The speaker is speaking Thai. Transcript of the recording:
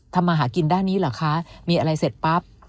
มาหากินด้านนี้เหรอคะมีอะไรเสร็จปั๊บ